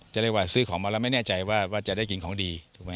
เรียกว่าซื้อของมาแล้วไม่แน่ใจว่าจะได้กินของดีถูกไหม